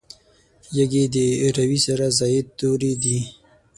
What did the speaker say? یږي د روي سره زاید توري دي.